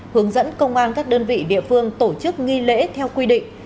hướng dẫn công an các đơn vị địa phương tổ chức nghi lễ theo quy định